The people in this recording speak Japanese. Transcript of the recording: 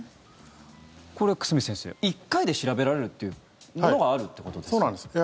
これ、久住先生１回で調べられるというのがあるということですか？